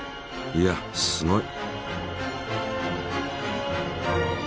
いやすごい！